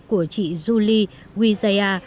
của chị julie wijaya